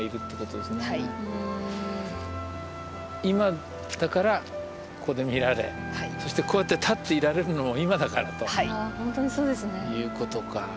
今だからここで見られそしてこうやって立っていられるのも今だからということか。